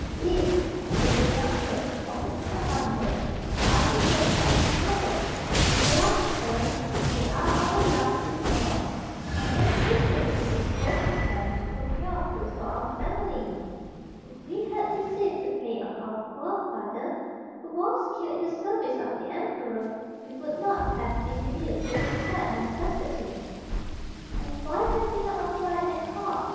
"These," said the young girl, opening her bundle, "are the clothes of my mother: alas, sir, they are our last resource. I am hastening to dispose[Pg 57] of them to procure food for our family. If we had received the pay of our poor father, who was killed in the service of the emperor, we would not have been reduced to this sad necessity." "And why have you not applied at court?"